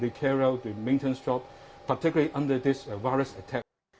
ketika mereka menjaga kereta terutama di bawah penyerangan virus ini